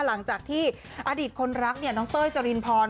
หลังจากที่อดีตคนรักเนี่ยน้องเต้ยจรินพร